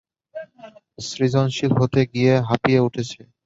সৃজনশীল হতে গিয়ে হাঁপিয়ে উঠেছ।